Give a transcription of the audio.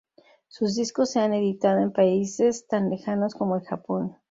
Sus discos se han editado en países tan lejanos como el Japón.